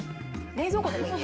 冷蔵庫でもいい。